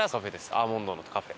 アーモンドのカフェ。